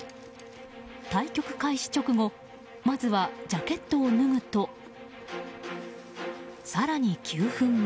対局開始直後まずはジャケットを脱ぐと更に９分後。